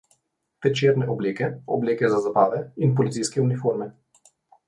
Večerne obleke, obleke za zabave in policijske uniforme.